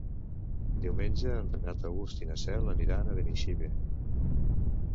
Diumenge en Renat August i na Cel aniran a Benaixeve.